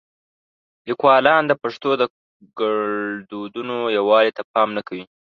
لیکوالان د پښتو د ګړدودونو یووالي ته پام نه کوي.